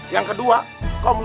yang kedua komnas ham atas perempuan